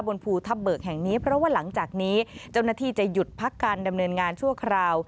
ภูทับเบิกแห่งนี้เพราะว่าหลังจากนี้เจ้าหน้าที่จะหยุดพักการดำเนินงานชั่วคราว